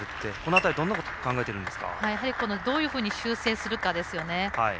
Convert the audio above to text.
やはり、どういうふうに修正するかですよね。